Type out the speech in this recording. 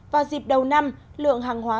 và dịp đầu năm lượng hàng hóa